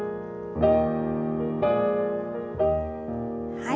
はい。